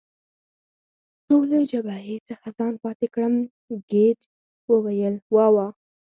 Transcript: څو له جبهې څخه ځان پاتې کړم، ګېج وویل: وا وا.